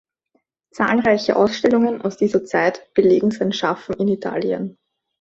Zahlreiche Ausstellungen aus dieser Zeit belegen sein Schaffen in Italien.